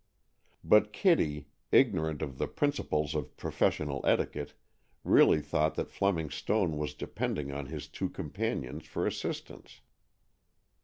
But Kitty, ignorant of the principles of professional etiquette, really thought that Fleming Stone was depending on his two companions for assistance.